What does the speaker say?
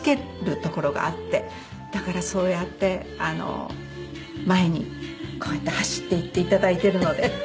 だからそうやって前にこうやって走っていって頂いてるので。